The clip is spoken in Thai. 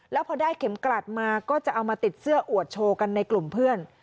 แล้วพอได้เข็มกลัดมาก็จะเอามาติดเสื้ออวดโชว์กันในกลุ่มเพื่อน